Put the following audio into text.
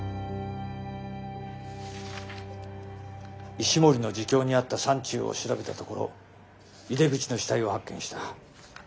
石森の自供にあった山中を調べたところ井出口の死体を発見した。